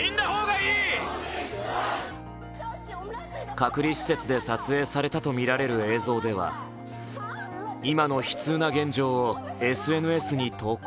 隔離施設で撮影されたと見られる映像では今の悲痛な現状をＳＮＳに投稿。